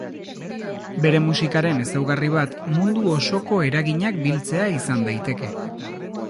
Bere musikaren ezaugarri bat mundu osoko eraginak biltzea izan daiteke.